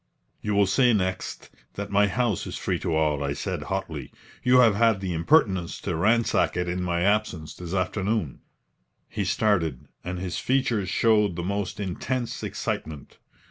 "You will say next that my house is free to all," I said, hotly. "You have had the impertience to ransack it in my absence this afternoon." He started, and his features showed the most intense excitement.